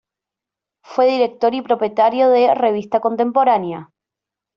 Fue director y propietario de "Revista Contemporánea".